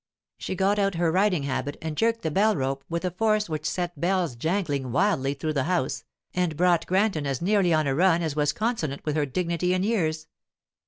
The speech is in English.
She got out her riding habit and jerked the bell rope with a force which set bells jangling wildly through the house, and brought Granton as nearly on a run as was consonant with her dignity and years.